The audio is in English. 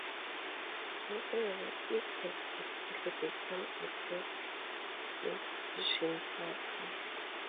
However, it has recently become a pro-secession party.